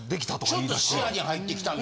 ちょっと視野に入って来たんだ。